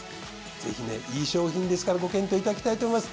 ぜひねいい商品ですからご検討いただきたいと思います。